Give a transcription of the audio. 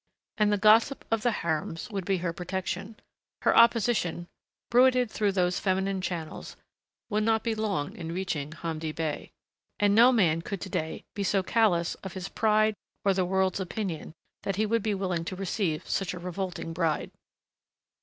And the gossip of the harems would be her protection. Her opposition, bruited through those feminine channels, would not be long in reaching Hamdi Bey.... And no man could to day be so callous of his pride or the world's opinion that he would be willing to receive such a revolting bride.